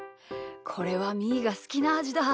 これはみーがすきなあじだ！